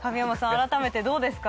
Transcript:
改めてどうですか？